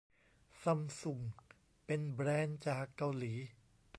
ซัมซุงเป็นแบรนด์จากเกาหลี